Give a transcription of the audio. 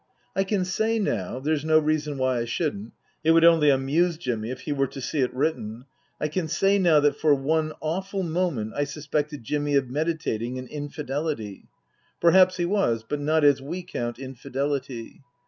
I can say now there's no reason why I shouldn't ; it would only amuse Jimmy if he were to see it written I can say now that for one awful moment I suspected Jimmy of meditating an infidelity. Perhaps he was ; but not as we count infidelity.